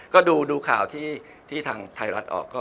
ก็ดูข่าวที่ทางไทยรัฐออกก็